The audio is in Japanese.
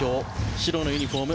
白のユニホーム